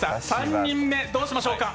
３人目、どうしましょうか。